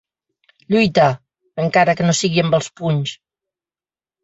Lluita, encara que no sigui amb els punys.